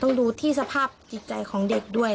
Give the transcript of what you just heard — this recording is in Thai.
ต้องดูที่สภาพจิตใจของเด็กด้วย